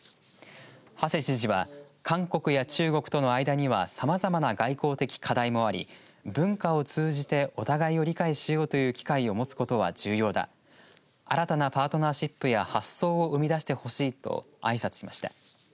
馳知事は韓国や中国との間にはさまざま外交的課題もあり文化を通じてお互いを理解しようという機会を持つことは重要だ新たなパートナーシップや発想を生み出してほしいとあいさつしました。